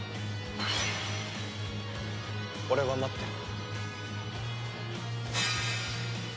俺は待ってる。